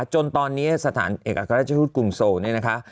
จนตอนนี้สถานเอกอัศวิทยุทธกรุงโซนี่นะคะ